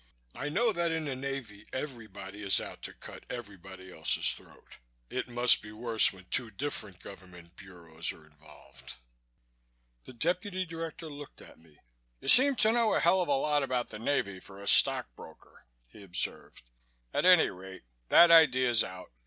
"I know that in the Navy everybody is out to cut everybody else's throat. It must be worse when two different Government Bureaus are involved." The Deputy Director looked at me. "You seem to know a hell of a lot about the Navy for a stock broker," he observed. "At any rate, that idea's out.